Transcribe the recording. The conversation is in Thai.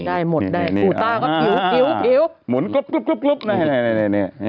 ได้หมดได้อูตาก็กิ๊วหมุนกลับนี่นี่ฮะ